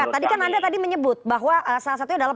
tadi kan anda tadi menyebut bahwa salah satunya adalah